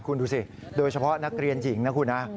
คุณดูสิโดยเฉพาะนักเรียนหญิงนะคุณนะ